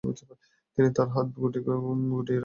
তিনি তার হাত গুটিয়ে রাখলেন।